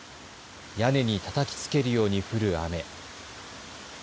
屋根にたたきつけるように降る雨。